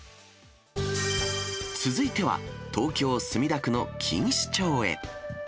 続いては、東京・墨田区の錦糸町へ。